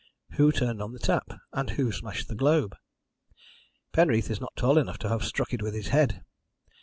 Who turned on the tap, and who smashed the globe? Penreath is not tall enough to have struck it with his head.